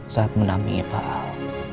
saat menampingi pak al